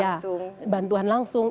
ya bantuan langsung